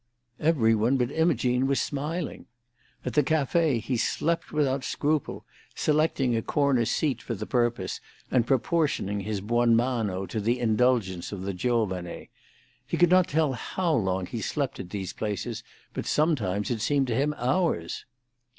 Everybody but Imogene was smiling. At the café he slept without scruple, selecting a corner seat for the purpose, and proportioning his buonamano to the indulgence of the giovane. He could not tell how long he slept at these places, but sometimes it seemed to him hours.